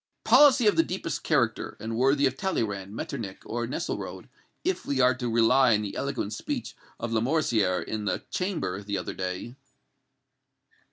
"Policy of the deepest character, and worthy of Talleyrand, Metternich or Nesselrode, if we are to rely on the eloquent speech of Lamoricière in the Chamber, the other day."